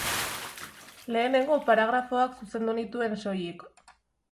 Lehenengo paragrafoak zuzendu nituen soilik.